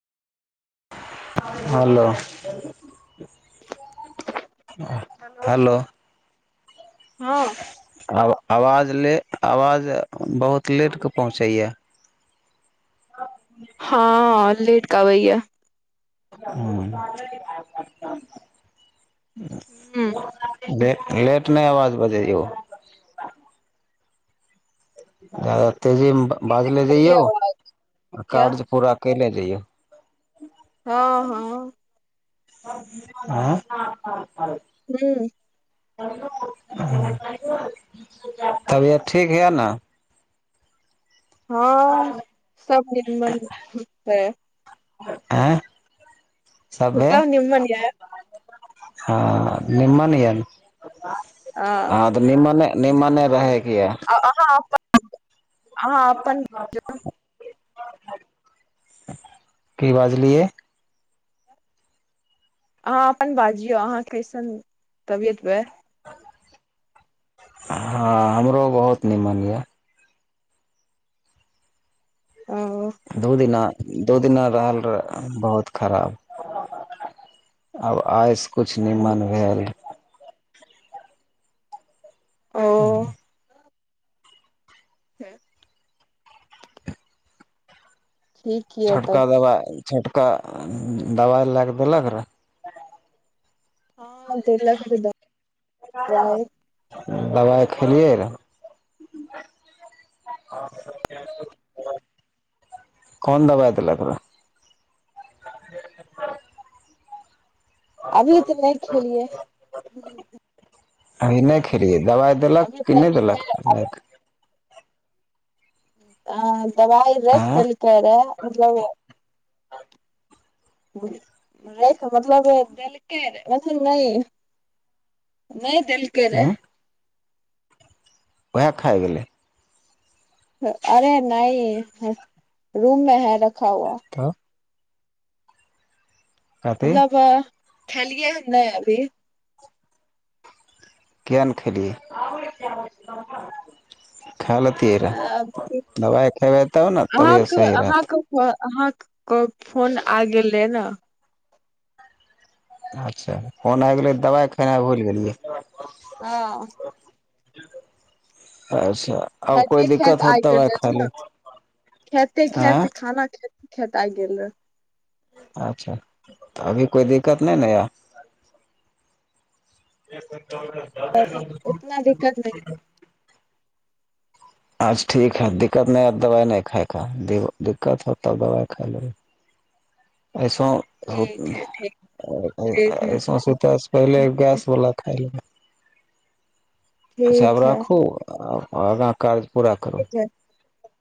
hello hello हँ आब आवाज ले आवाज बहुत लेटके पहुँचैया हँ लेट आबैया ह्म ह [unintelligible] दे [unintelligible] लेट नहि अवाज बजैयौ आओ [unintelligible] तेजीमे बाजले आबैये जइयौ आवाज आ क्या कारज पूरा कै ले जइयौ हँ हँ आँ [unintelligible] हू तबियत ठीक या ने [unintelligible] हँ सब निर्मल है [unintelligible] आँय सभे उतब निम्न या हँ निम्न या न आ निमने निमने रहै अ-अहाँ अपन ह [unintelligible] अहाँ अपन की बाजलियै अहाँ अपन बाजियौ अहाँ कइसन तबियत भय हँ हमरो बहुत निमन या ओ दू दिना दू दिना रहल रह बहुत खराब आब आइस कछु निम्न भेल हू ओ [unintelligible] हँ [inaudible] ठीक य छोटका तब दबाय छोटका दबाइ लए कऽ देलक रह हँत क [unintelligible] [unintelligible] दबाइ खेलियै रऽ कोन दबाइ देलक रहऽ [inaudible] अभी तऽ नहि खेलियै अभी नहि खेलियै दबाइ देलक अभी कि पेट नहि मे देलक आ दबाइ रख आँय देलकै रहऽ [unintelligible] मतलब मतलब देलकै नहि [unintelligible] देलकै रहऽ उंम्म उएह खा गेलै [unintelligible] अरे नहि रूम मे है रखा ह [unintelligible] तऽ [unintelligible] कहतै ल ल ब [unintelligible] खेलियै हन नहि अभी किया न खेलियै खा लतियै रहए अ, दबाइ खयबै तब ने तबियत अहाँक सही रहतै अहाँक अहाँक क फोन आ गेल रहै न अच्छा फोन आबि गेलै दबाइ खेनाइ भुलि गेलियै हँ आ [unintelligible] खातीयै खात आगि देल जाइत छै ने लेब खेते खात आँय खाना खेलिए खेत आइ गेले अच्छाऽ अभी कोइ दिक्कत नहि ने या ए त [unintelligible] त उतना दिक्कत नहि अच्छ ठीक है दिक्कत नहि हाए दबाइ नहि खााय के दिक्कत होत तऽ दबाइ खाइ लेब अच्छा [unintelligible] सौ ठीक है ठीक ठीक है अ सौसूतासँ पहिले गैसवला खााय ले [unintelligible] अच्छा अब ठीक है राखू आगाँ कारज पूरा करू ठीक है